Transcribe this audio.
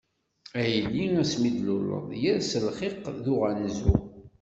A yelli asmi i tluleḍ, yers lxiq d uɣanzu.